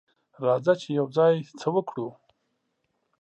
راځه چې یوځای څه وکړو.